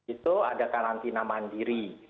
itu ada karantina mandiri